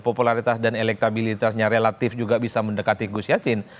popularitas dan elektabilitasnya relatif juga bisa mendekati gus yasin